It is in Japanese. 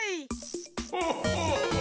ホッホッホッホ！